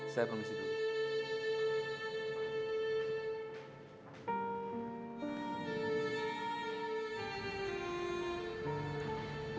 saya permisi dulu